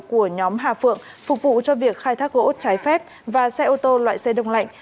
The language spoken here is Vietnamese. của nhóm hà phượng phục vụ cho việc khai thác gỗ trái phép và xe ô tô loại xe đông lạnh